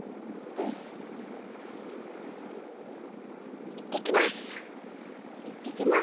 うん。いってきます。